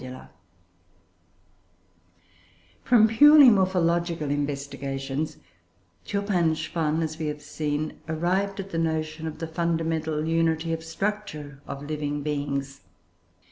] From purely morphological investigations, Turpin and Schwann, as we have seen, arrived at the notion of the fundamental unity of structure of living beings.